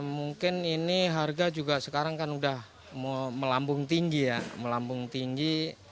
mungkin ini harga juga sekarang kan sudah melambung tinggi ya melambung tinggi